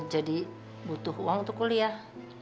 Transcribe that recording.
jadi butuh uang untuk kuliah